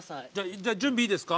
じゃあ準備いいですか？